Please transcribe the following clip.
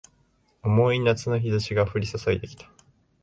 重い夏の日差しが降り注いでいた